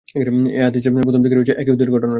এ হাদীসের প্রথম দিকে এক ইহুদীর ঘটনা রয়েছে।